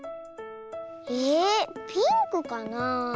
えピンクかなあ？